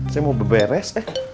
saya mau berberes